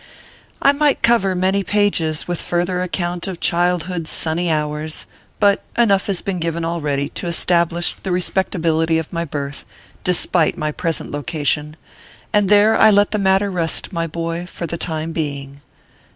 I might cover many pages with further account of childhood s sunny hours ; but enough has been given already to establish the respectability of my birth, despite my present location ; and there I let the mat ter rest, my boy, for the time being.